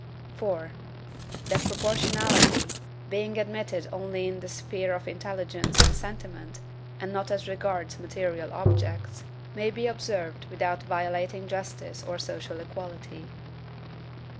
4. That PROPORTIONALITY, being admitted only in the sphere of intelligence and sentiment, and not as regards material objects, may be observed without violating justice or social equality.